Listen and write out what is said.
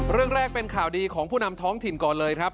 เรื่องแรกเป็นข่าวดีของผู้นำท้องถิ่นก่อนเลยครับ